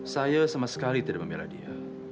saya sama sekali tidak membela dia